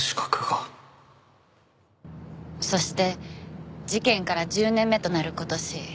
そして事件から１０年目となる今年。